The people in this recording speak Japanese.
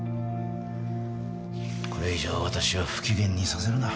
これ以上私を不機嫌にさせるな。